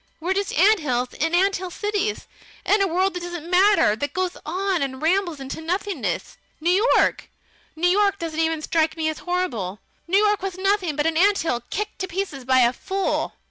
We're just ants in ant hill cities, in a world that doesn't matter; that goes on and rambles into nothingness. New York New York doesn't even strike me as horrible. New York was nothing but an ant hill kicked to pieces by a fool!